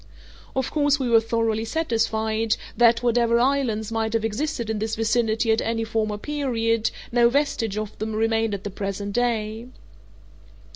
Of course we were thoroughly satisfied that, whatever islands might have existed in this vicinity at any former period, no vestige of them remained at the present day.